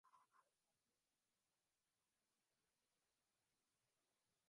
Quizás, la peor noticia que ha recibido este programa...